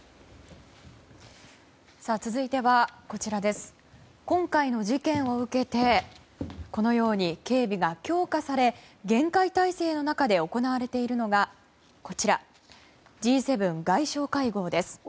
続いては今回の事件を受けてこのように警備が強化され厳戒態勢の中で行われているのがＧ７外相会合です。